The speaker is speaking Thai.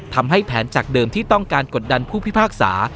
ทำให้แผนจากเดิมที่ต้องการกดดันผู้พิพากษา